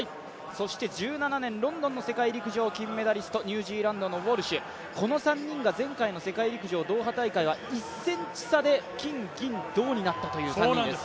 そして１７年ロンドンの世界陸上金メダリスト、ニュージーランドのウォルシュ、この３人が前回の世界陸上ドーハ大会は１ｃｍ差で金・銀・銅になったという選手です。